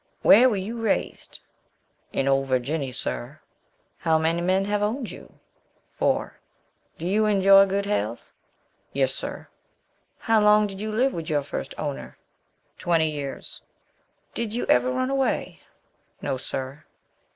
"Where were you raised?" "In old Virginny, sir." "How many men have owned you?" "Four." "Do you enjoy good health?" "Yes, sir." "How long did you live with your first owner?" "Twenty years." "Did you ever run away?" "No, sir."